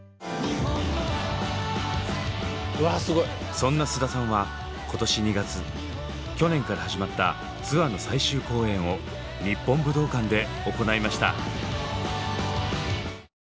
そんな菅田さんは今年２月去年から始まったツアーの最終公演を日本武道館で行いました。